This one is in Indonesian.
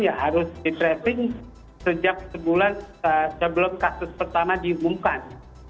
ya harus di tracing sejak sebulan sebelum kasus pertama diumumkan